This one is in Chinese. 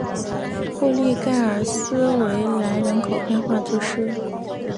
布利盖尔斯维莱人口变化图示